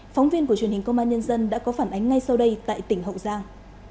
phóng viên của truyền hình công an nhân dân đã có phản ánh ngay sau đây tại tỉnh hậu giang